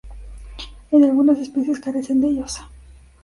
En algunas especies carecen de ellos.